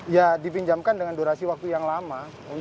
ya dipinjamkan dengan durasi waktu yang lama